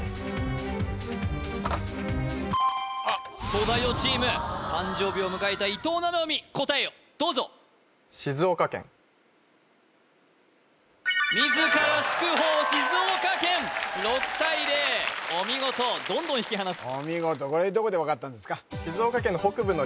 東大王チーム誕生日を迎えた伊藤七海答えをどうぞ自ら祝砲静岡県６対０お見事どんどん引き離すお見事これどこで分かったんですか？